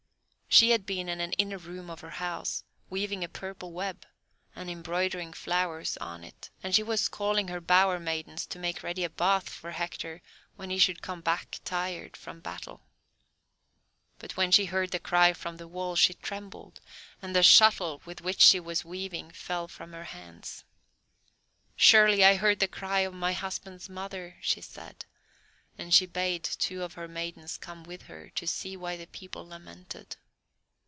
She had been in an inner room of her house, weaving a purple web, and embroidering flowers on it, and she was calling her bower maidens to make ready a bath for Hector when he should come back tired from battle. But when she heard the cry from the wall she trembled, and the shuttle with which she was weaving fell from her hands. "Surely I heard the cry of my husband's mother," she said, and she bade two of her maidens come with her to see why the people lamented.